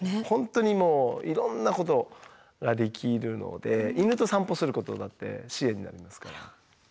本当にもういろんなことができるので犬と散歩することだって支援になりますから。